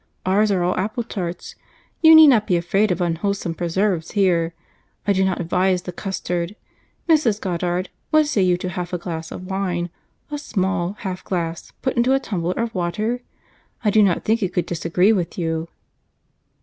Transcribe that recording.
Ours are all apple tarts. You need not be afraid of unwholesome preserves here. I do not advise the custard. Mrs. Goddard, what say you to half a glass of wine? A small half glass, put into a tumbler of water? I do not think it could disagree with you."